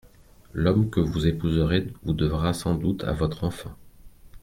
L'homme que vous épouserez vous devra sans doute à votre enfant.